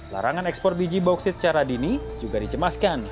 larangan ekspor biji bauksit secara dini juga dicemaskan